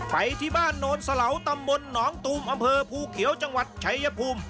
ไปที่บ้านโนนสะเหลาตำบลหนองตูมอำเภอภูเขียวจังหวัดชายภูมิ